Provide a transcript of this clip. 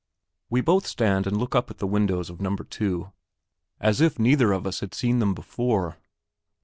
We both stand and look up at the windows of No. 2 as if neither of us had seen them before.